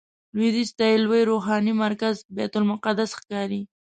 لویدیځ ته یې لوی روحاني مرکز بیت المقدس ښکاري.